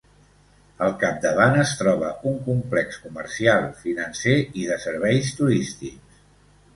Al capdavant es troba un complex comercial, financer i de serveis turístics.